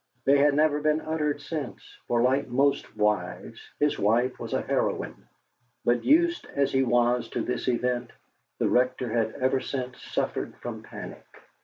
They had never been uttered since, for like most wives, his wife was a heroine; but, used as he was to this event, the Rector had ever since suffered from panic.